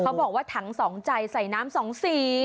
บอกว่าถังสองใจใส่น้ำสองสี